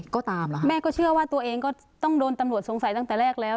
ก็ตามล่ะแม่ก็เชื่อว่าตัวเองก็ต้องโดนตำรวจสงสัยตั้งแต่แรกแล้ว